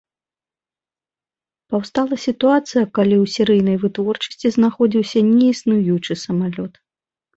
Паўстала сітуацыя калі ў серыйнай вытворчасці знаходзіўся неіснуючы самалёт.